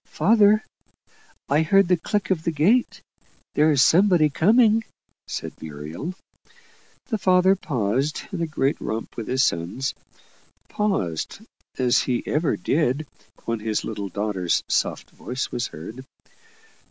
"Father, I hear the click of the gate. There's somebody coming," said Muriel. The father paused in a great romp with his sons paused, as he ever did when his little daughter's soft voice was heard.